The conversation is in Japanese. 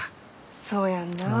そうやんなあ。